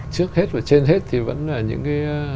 trước hết và trên hết thì vẫn là những cái